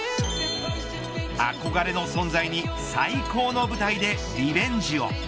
憧れの存在に最高の舞台でリベンジを。